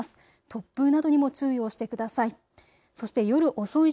突風などにも注意をしてください。